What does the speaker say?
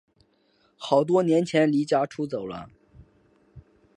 好多年前离家出走了